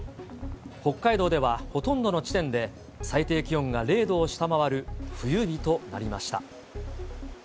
北海道では、ほとんどの地点で最低気温が０度を下回る冬日となりました。